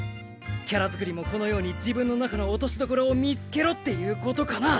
キャラ作りもこのように自分の中の落としどころを見つけろっていうことかな。